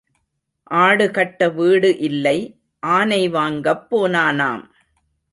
ஆடு கட்ட வீடு இல்லை ஆனை வாங்கப் போனானாம்.